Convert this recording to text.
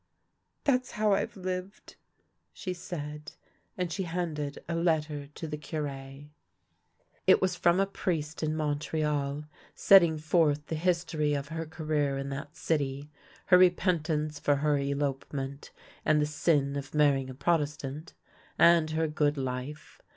" That's how I've lived," she said, and she handed a letter to the Cure. It was from a priest in Montreal, setting forth the history of her career in that city, her repentance for her elopement and the sin of marrying a Protestant, and her good life.